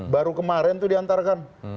baru kemarin itu diantarkan